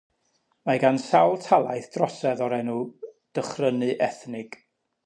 Mae gan sawl talaith drosedd o'r enw “Dychrynu ethnig”.